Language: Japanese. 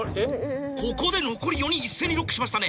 ここで残り４人一斉にロックしましたね。